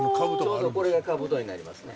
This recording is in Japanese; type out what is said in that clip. ちょうどこれが兜になりますね。